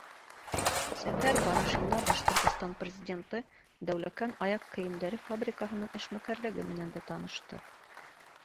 Сәфәр барышында Башҡортостан Президенты Дәүләкән аяҡ кейемдәре фабрикаһының эшмәкәрлеге менән дә танышты.